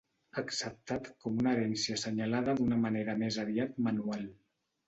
Acceptat com una herència assenyalada d'una manera més aviat manual.